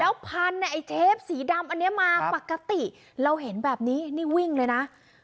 พันไอ้เทปสีดำอันนี้มาปกติเราเห็นแบบนี้นี่วิ่งเลยนะ